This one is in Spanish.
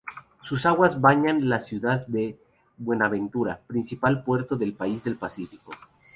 Sus aguas bañan la ciudad de Buenaventura, principal puerto del país en el Pacífico.